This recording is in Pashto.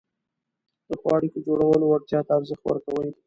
د ښو اړیکو جوړولو وړتیا ته ارزښت ورکوي،